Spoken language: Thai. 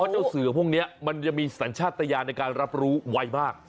เจ้าเสือพวกนี้มันจะมีสัญชาติยานในการรับรู้ไวมาก